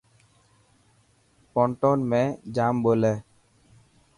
پونٽون ۾ جام ٻولي.